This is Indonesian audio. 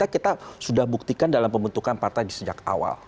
kita sudah buktikan dalam pembentukan partai sejak awal